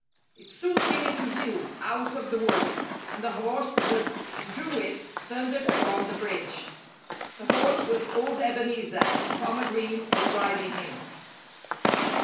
It soon came into view, out of the woods, and the horse that drew it thundered upon the bridge. The horse was old Ebenezer; and Farmer Green was driving him.